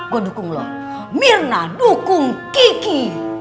gue dukung loh mirna dukung kiki